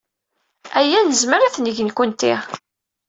Aya nezmer ad t-neg nekkenti.